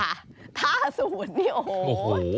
ล่าสุดนี่โอ้โห